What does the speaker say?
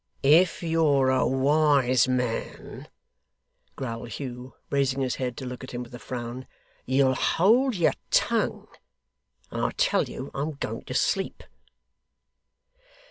'If you're a wise man,' growled Hugh, raising his head to look at him with a frown, 'you'll hold your tongue. I tell you I'm going to sleep.